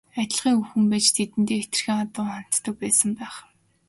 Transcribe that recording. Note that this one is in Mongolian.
Адилхан эх хүн байж тэдэндээ хэтэрхий хатуу ханддаг байсан байх.